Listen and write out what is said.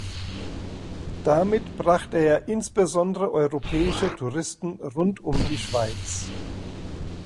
Damit brachte er insbesondere europäische Touristen rund um die Schweiz.